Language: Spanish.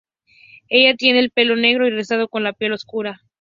Ella tiene el pelo negro y rizado con la piel oscura.